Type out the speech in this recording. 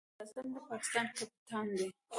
بابر اعظم د پاکستان کپتان دئ.